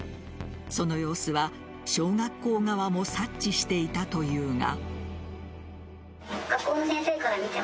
その様子は小学校側も察知していたというが。